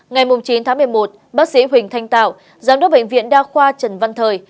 ngày chín tháng một mươi một bác sĩ huỳnh thanh tạo giám đốc bệnh viện đa khoa trần văn thời